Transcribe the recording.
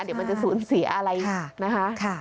เดี๋ยวมันจะสูญเสียอะไรนะคะ